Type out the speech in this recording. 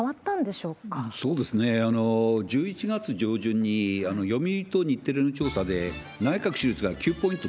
そうですね、１１月上旬に、読売と日テレの調査で、内閣支持率が９ポイント